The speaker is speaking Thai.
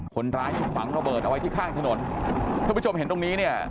คนร้ายนี่ฝังระเบิดเอาไว้ที่ข้างถนนท่านผู้ชมเห็นตรงนี้เนี่ย